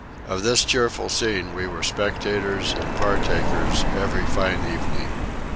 Of this cheerful scene we were spectators and partakers every fine evening.